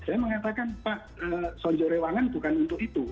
saya mengatakan pak sonjo rewangan bukan untuk itu